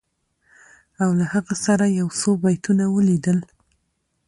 او له هغه سره یو څو بیتونه ولیدل